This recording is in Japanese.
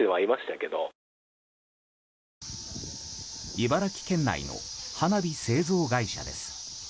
茨城県内の花火製造会社です。